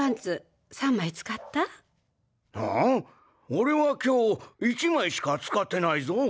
オレは今日１枚しか使ってないぞ。